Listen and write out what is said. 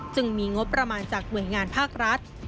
จึงมีงบประมาณจากหน่วยงานภาครัฐ